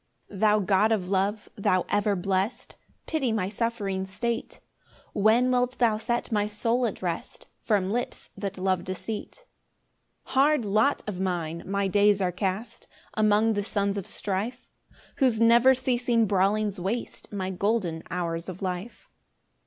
1 Thou God of love, thou ever blest, Pity my suffering state; When wilt thou set my soul at rest From lips that love deceit? 2 Hard lot of mine! my days are cast Among the sons of strife, Whose never ceasing brawlings waste My golden hours of life.